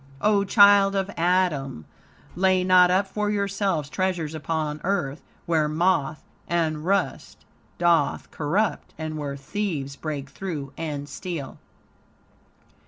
O child of Adam! "Lay not up for yourselves treasures upon earth, where moth and rust doth corrupt and where thieves break through and steal."